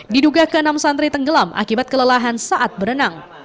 diduga keenam santri tenggelam akibat kelelahan saat berenang